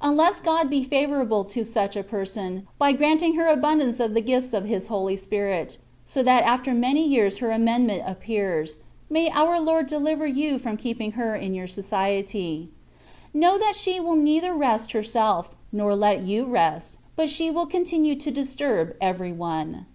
Unless God be favourable to such a person, by granting her abundance of the gifts of His Holy Spirit, so that after many years her amendment appears, may our Lord deliver you from keeping her in your society. Know that she will neither rest herself, nor let you rest, but she will continue to disturb every one.